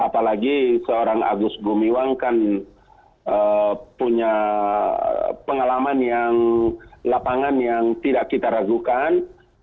apalagi seorang agus gumiwang kan punya pengalaman yang lapangan yang tidak kita ragukan